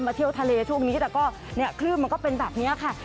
เที่ยวทะเลช่วงนี้แต่ก็เนี่ยคลื่นมันก็เป็นแบบนี้ค่ะ